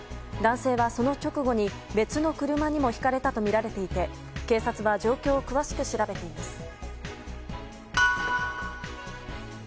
男性はその直後に別の車にもひかれたとみられていて警察は状況を詳しく調べています。